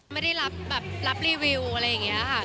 ไม่ได้รับแบบรับรีวิวอะไรอย่างนี้ค่ะ